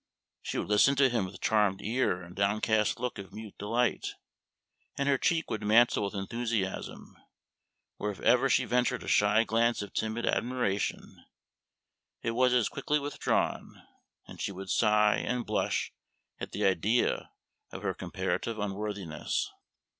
She would listen to him with charmed ear and downcast look of mute delight, and her cheek would mantle with enthusiasm; or if ever she ventured a shy glance of timid admiration, it was as quickly withdrawn, and she would sigh and blush at the idea of her comparative unworthiness.